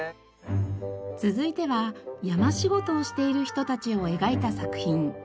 続いては山仕事をしている人たちを描いた作品。